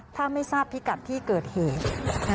ถ้าไม่ทราบพิกัดที่เกิดเหตุ